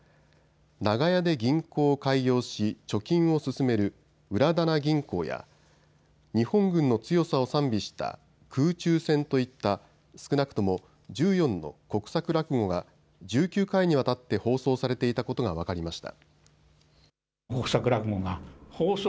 長屋で銀行を開業し貯金を勧める裏店銀行や日本軍の強さを賛美した空中戦といった少なくとも１４の国策落語が１９回にわたって放送されていたことが分かりました。